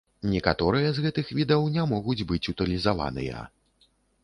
Некаторыя з гэтых відаў не могуць быць утылізаваныя.